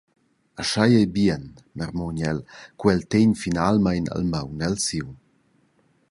«Aschia ei bien», marmugna el cura ch’el tegn finalmein il maun el siu.